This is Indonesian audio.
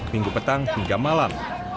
minggu petang hingga malam